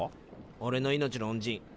おれの命の恩人。